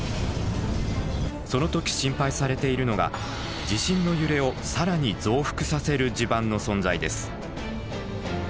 その時心配されているのが地震の揺れを更に増幅させる地盤の存在です。